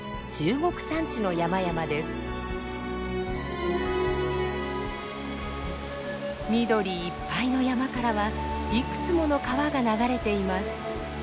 緑いっぱいの山からはいくつもの川が流れています。